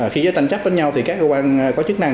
khi có tranh chấp với nhau thì các cơ quan có chức năng